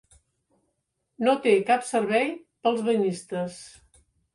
No té cap servei per als banyistes.